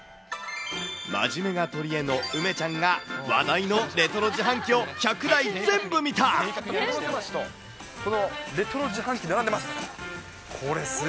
真面目が取り柄の梅ちゃんが話題のレトロ自販機を１００台全部見ずらーっと所狭しと、このレトロ自販機、並んでます。